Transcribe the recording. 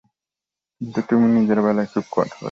কিন্তু তুমি নিজের বেলায় খুব কঠোর।